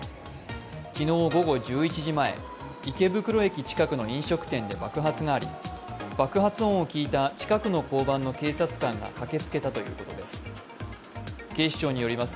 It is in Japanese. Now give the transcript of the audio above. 昨日午後１１時前、池袋駅近くの飲食店で爆発があり爆発音を聞いた近くの交番の警察官が駆けつけたということです。